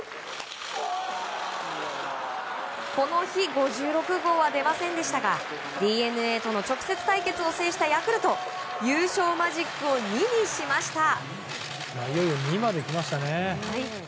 この日５６号は出ませんでしたがＤｅＮＡとの直接対決を制したヤクルト優勝マジックを２にしました。